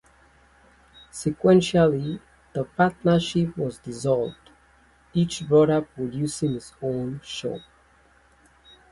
Subsequently the partnership was dissolved, each brother producing his own show.